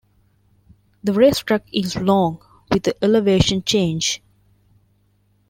The racetrack is long, with a elevation change.